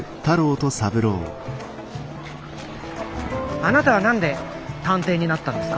あなたは何で探偵になったんですか？